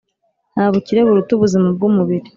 Nta bukire buruta ubuzima bw’umubiri,